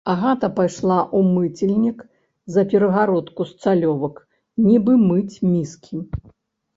Агата пайшла ў мыцельнік, за перагародку з цалёвак, нібы мыць міскі.